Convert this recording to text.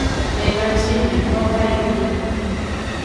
Megan ci yi mi kpo vayi ku.